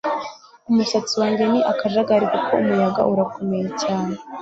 umusatsi wanjye ni akajagari kuko umuyaga urakomeye cyane